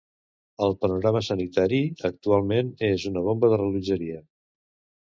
El panorama sanitari actualment és una bomba de rellotgeria.